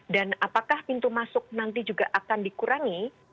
dan apakah pintu masuk nanti juga akan dikurangi